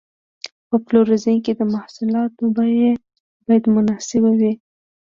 په پلورنځي کې د محصولاتو بیه باید مناسب وي.